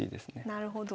なるほど。